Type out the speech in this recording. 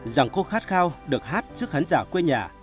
rằng cô khát khao được hát trước khán giả quê nhà